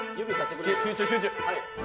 集中、集中！